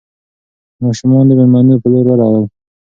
ماشومان د مېلمنو په لور ورغلل.